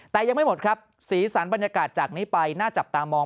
แต่ยังไม่หมดครับสีสันบรรยากาศจากนี้ไปน่าจับตามอง